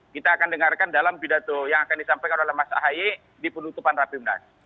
kita akan dengarkan dalam pidato yang akan disampaikan oleh mas ahy di penutupan rapimnas